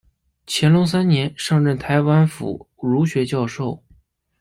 乾隆三年上任台湾府儒学教授。